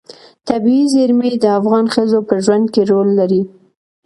طبیعي زیرمې د افغان ښځو په ژوند کې رول لري.